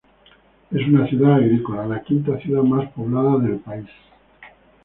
Es una ciudad agrícola, la quinta ciudad más poblada del país.